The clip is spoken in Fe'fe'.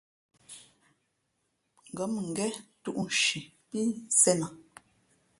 Ngα̌ mʉngén tūꞌ nshi pí sēn a.